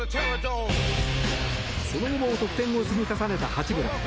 その後も得点を積み重ねた八村。